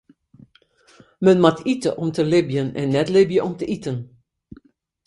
Men moat ite om te libjen en net libje om te iten.